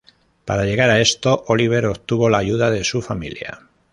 Para llegar a esto Oliver obtuvo la ayuda de su familia.